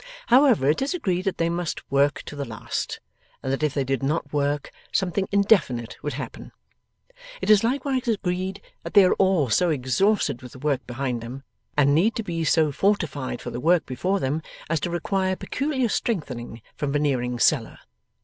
However, it is agreed that they must 'work' to the last, and that if they did not work, something indefinite would happen. It is likewise agreed that they are all so exhausted with the work behind them, and need to be so fortified for the work before them, as to require peculiar strengthening from Veneering's cellar.